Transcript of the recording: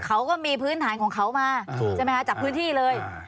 เขาก็มีพื้นฐานของเขามาจับพื้นที่เลย